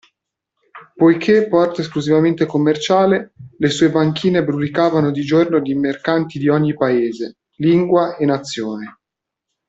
Poiché porto esclusivamente commerciale, le sue banchine brulicavano di giorno di mercanti di ogni paese, lingua e nazione.